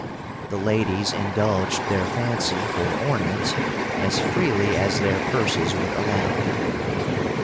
The ladies indulged their fancy for ornaments as freely as their purses would allow.